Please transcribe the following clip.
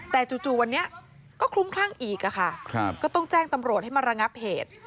แต่จู่วันนี้ก็คลุ้มคลั่งอีกค่ะก็ต้องแจ้งตำรวจให้มาระงับเหตุ